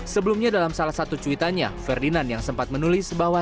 sebelumnya dalam salah satu cuitannya ferdinand yang sempat menulis bahwa